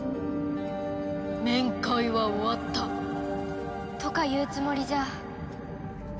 「面会は終わった」とか言うつもりじゃ。